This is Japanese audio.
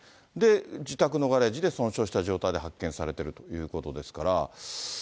自宅のガレージで、損傷した状態で発見されているということですから。